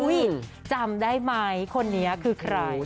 อุ้ยจำได้มั้ยคนนี้คือใคร